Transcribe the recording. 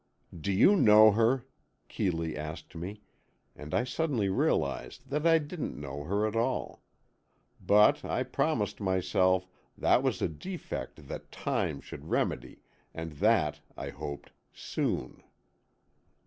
"Do you know her?" Keeley asked me, and I suddenly realized that I didn't know her at all! But, I promised myself, that was a defect that time should remedy and that, I hoped, soon.